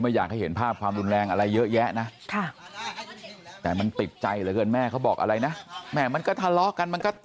ไม่ใช่ครั้งเดียวค่ะคุณแม่เหตุการณ์ไม่ใช่อย่างนั้นค่ะไม่มีค่ะไม่มีหลายครั้ง